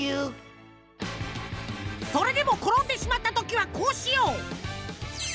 それでもころんでしまったときはこうしよう！